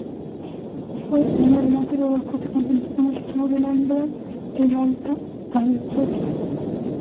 En adelante, Rodolfo se contentó con el título de Landgrave de la Alta Alsacia.